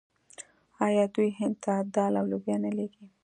آیا دوی هند ته دال او لوبیا نه لیږي؟